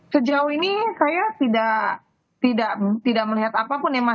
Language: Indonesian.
sejauh ini saya tidak melihat apapun